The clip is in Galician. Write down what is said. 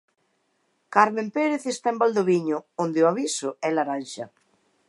Carmen Pérez está en Valdoviño, onde o aviso é laranxa.